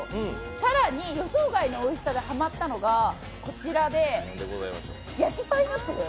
更に、予想外のおいしさでハマったのがこちらで、焼きパイナップル。